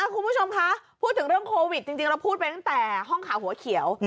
คุณผู้ชมคะพูดถึงเรื่องโควิดจริงเราพูดไปตั้งแต่ห้องขาวหัวเขียว